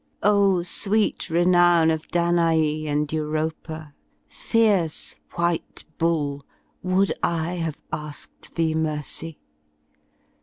Ohy sweet renown Of Danes and Europa! Fierce white bull , Would I have asked thee mercy?